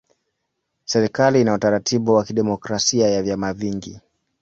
Serikali ina utaratibu wa kidemokrasia ya vyama vingi.